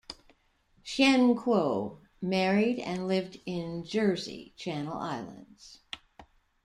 Chien-Kuo married and lived in Jersey, Channel Islands.